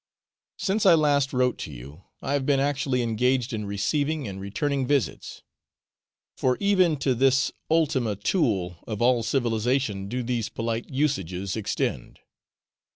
Since I last wrote to you I have been actually engaged in receiving and returning visits; for even to this ultima thule of all civilisation do these polite usages extend.